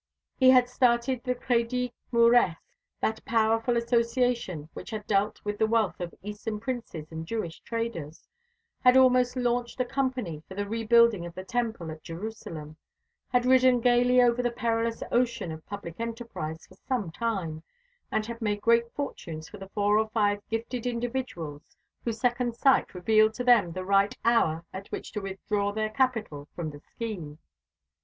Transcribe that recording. He had started the Crédit Mauresque that powerful association which had dealt with the wealth of Eastern princes and Jewish traders, had almost launched a company for the rebuilding of the Temple at Jerusalem, had ridden gaily over the perilous ocean of public enterprise for some time, and had made great fortunes for the four or five gifted individuals whose second sight revealed to them the right hour at which to withdraw their capital from the scheme.